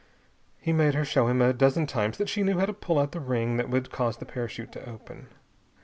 He made her show him a dozen times that she knew how to pull out the ring that would cause the parachute to open.